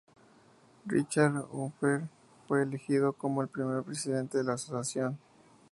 Richard Humphrey fue elegido como el primer presidente de la asociación.